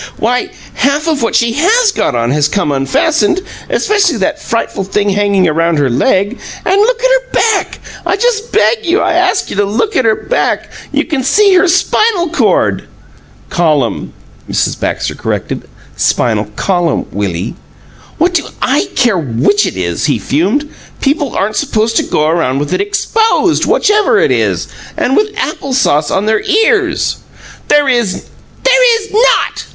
"Why, half o' what she HAS got on has come unfastened especially that frightful thing hanging around her leg and look at her back, I just beg you! I ask you to look at her back. You can see her spinal cord!" "Column," Mrs. Baxter corrected. "Spinal column, Willie." "What do I care which it is?" he fumed. "People aren't supposed to go around with it EXPOSED, whichever it is! And with apple sauce on their ears!" "There is not!"